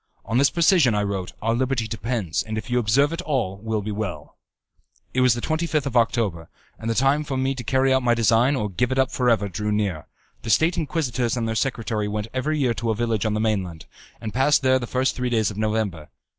"On this precision," I wrote, "our liberty depends and if you observe it all will be well." It was the 25th of October, and the time for me to carry out my design or to give it up for ever drew near. The State Inquisitors and their secretary went every year to a village on the mainland, and passed there the first three days of November.